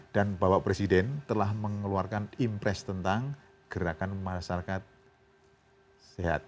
dan bapak presiden telah mengeluarkan impress tentang gerakan masyarakat sehat